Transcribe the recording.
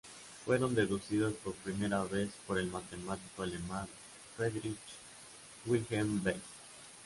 Fueron deducidas por primera vez por el matemático alemán Friedrich Wilhelm Bessel.